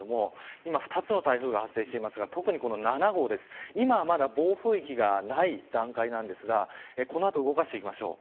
今２つの台風が発生していますが特にこの７号今はまだ暴風域がない段階ですがこの後動かしていきましょう。